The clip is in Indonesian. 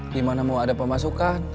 gimana mau ada pemasukan